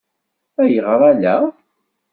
Ayɣer ala?